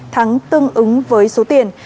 thắng tương ứng với số tiền